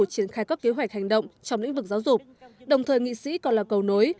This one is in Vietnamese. triển khai các kế hoạch hành động trong lĩnh vực giáo dục đồng thời nghị sĩ còn là cầu nối